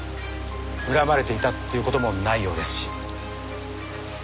恨まれていたっていう事もないようですし。